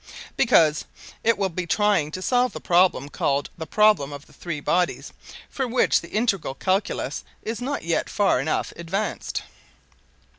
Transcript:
"Because it will be trying to solve the problem called 'the problem of the three bodies,' for which the integral calculus is not yet far enough advanced."